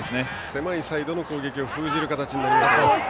狭いサイドの攻撃を封じる形になりました。